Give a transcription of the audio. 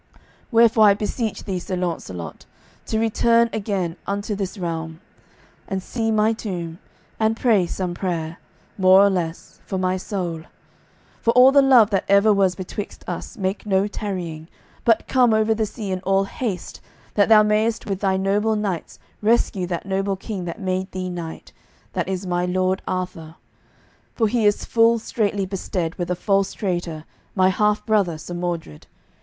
Wherefore I beseech thee, Sir Launcelot, to return again unto this realm, and see my tomb, and pray some prayer, more or less, for my soul. For all the love that ever was betwixt us, make no tarrying, but come over the sea in all haste, that thou mayest with thy noble knights rescue that noble king that made thee knight, that is my lord Arthur, for he is full straitly bestead with a false traitor, my half brother, Sir Mordred.